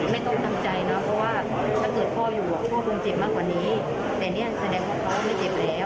หนูน้อยใจว่าทำไมเราถึงไม่ได้เจอ